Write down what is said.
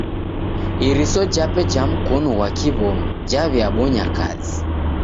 Iriso jape ja mkonu ghwa kiw'omi jaw'iabonya kazi.